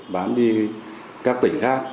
bán đi các tỉnh khác